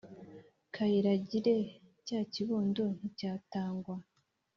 kayiragire cya kibondo nticyatangwa !